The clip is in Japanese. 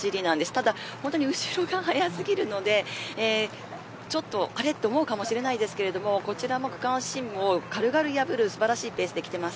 ただ後ろが本当に速すぎるのでちょっとあれと思うかもしれないですがこちらも区間新を軽々破る素晴らしいペースできています。